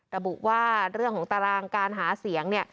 ระบุว่าเรื่องของตารางการหาเสียงเนี่ย